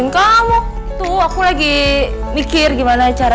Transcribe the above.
kayak currencies apa aja rly